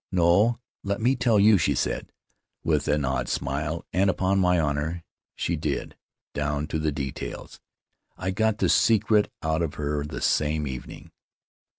'No, let me tell you,' she said, with an odd smile; and, upon my honor, she did — down to the details! I got the secret out of her the same evening.